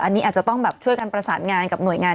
อันนี้อาจจะต้องแบบช่วยกันประสานงานกับหน่วยงาน